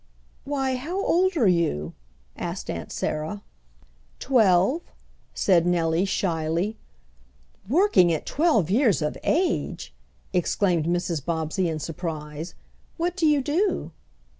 "Why, how old are you?" asked Aunt Sarah. "Twelve," said Nellie shyly. "Working at twelve years of age!" exclaimed Mrs. Bobbsey in surprise. "What do you do?"